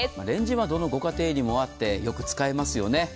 レンジはどのご家庭にもあってよく使いますよね。